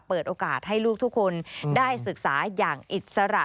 เปิดโอกาสให้ลูกทุกคนได้ศึกษาอย่างอิสระ